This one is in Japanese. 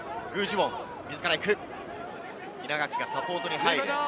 稲垣がサポートに入る。